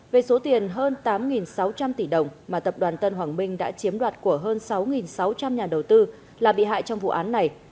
về số tiền hơn tám sáu trăm linh tỷ đồng mà tập đoàn tân hoàng minh đã chiếm đoạt của hơn sáu sáu trăm linh nhà đầu tư là bị hại trong vụ án này